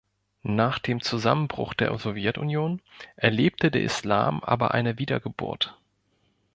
Nach dem Zusammenbruch der Sowjetunion erlebte der Islam aber eine Wiedergeburt.